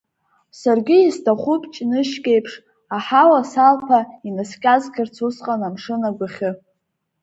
Саргьы исҭахуп ҷнышк еиԥш, аҳауа салԥа, инаскьазгарц усҟан амшын агәахьы.